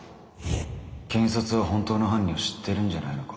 検察は本当の犯人を知ってるんじゃないのか？